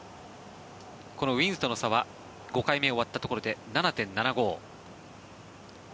このウィーンズとの差は５回目終わったところで７．７５。